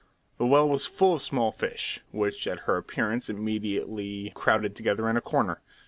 The well was full of small fish, which at her appearance immediately crowded together in a corner.